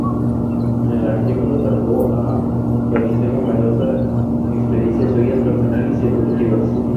En el artículo sacó a colación numerosas experiencias suyas personales y educativas.